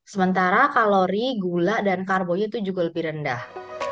sementara kalori gula dan karbohid itu juga lebih rendah